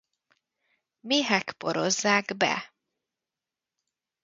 Méhek porozzák be.